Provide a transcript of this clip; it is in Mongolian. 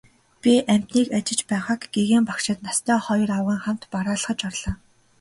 Би амьтныг ажиж байгааг гэгээн багшид настай хоёр авгайн хамт бараалхаж орлоо.